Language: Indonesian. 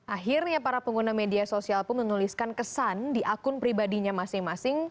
akhirnya para pengguna media sosial pun menuliskan kesan di akun pribadinya masing masing